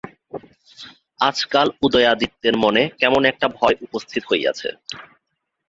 আজকাল উদয়াদিত্যের মনে কেমন একটা ভয় উপস্থিত হইয়াছে।